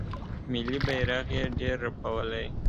ملي بیرغ یې ډیر رپولی